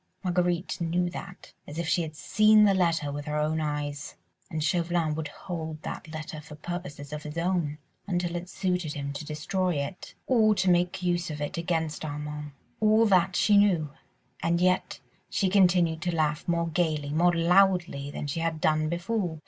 Marguerite knew that as if she had seen the letter with her own eyes; and Chauvelin would hold that letter for purposes of his own, until it suited him to destroy it or to make use of it against Armand. All that she knew, and yet she continued to laugh more gaily, more loudly than she had done before.